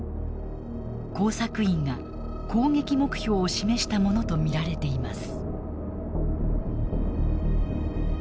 工作員が攻撃目標を示したものと見られています。